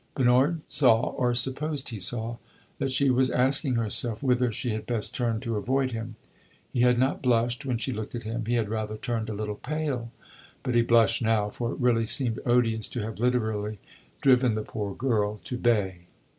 Bernard saw or supposed he saw that she was asking herself whither she had best turn to avoid him. He had not blushed when she looked at him he had rather turned a little pale; but he blushed now, for it really seemed odious to have literally driven the poor girl to bay.